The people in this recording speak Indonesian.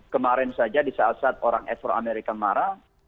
kemarin saja di saat saat orang ever american marah